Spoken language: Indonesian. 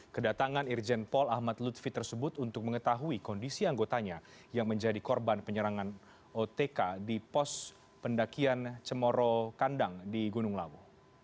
kedatangan irjen paul ahmad lutfi tersebut untuk mengetahui kondisi anggotanya yang menjadi korban penyerangan otk di pos pendakian cemoro kandang di gunung lawu